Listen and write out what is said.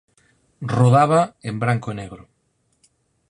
Rodada en branco e negro.